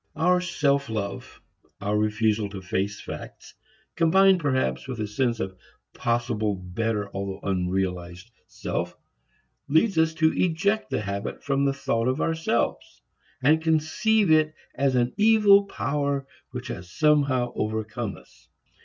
Our self love, our refusal to face facts, combined perhaps with a sense of a possible better although unrealized self, leads us to eject the habit from the thought of ourselves and conceive it as an evil power which has somehow overcome us.